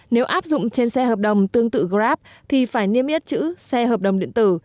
nếu áp dụng trên xe hợp đồng tương tự grab thì phải niêm yết chữ xe hợp đồng điện tử